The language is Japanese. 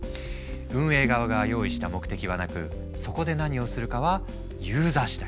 運営側が用意した目的はなくそこで何をするかはユーザー次第。